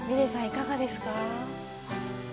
いかがですか？